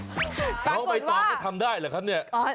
ปรากฏว่าน้องไปจอดไม่ทำได้หรือครับเนี่ย